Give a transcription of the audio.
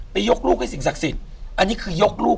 ยกลูกให้สิ่งศักดิ์สิทธิ์อันนี้คือยกลูก